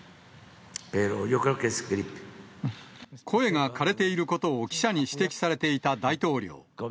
声がかれていることを記者に指摘されていた大統領。